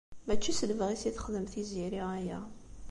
Mačči s lebɣi-s i texdem Tiziri aya.